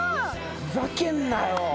ふざけんなよ。